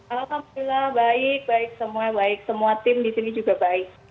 alhamdulillah baik baik semua baik semua tim di sini juga baik